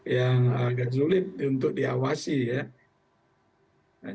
yang agak sulit untuk diawasi ya